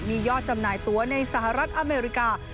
มียอดจำหน่ายตัวในสหรัฐอเมริกา